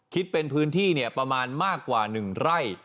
คิดเป็นพื้นที่ประมาณมากกว่า๑ไร่